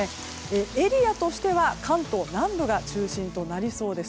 エリアとしては関東南部が中心となりそうです。